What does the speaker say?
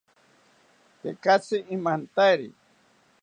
Tekatzi imantari